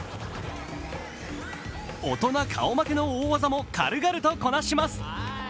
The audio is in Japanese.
大人顔負けの大技も軽々とこなします。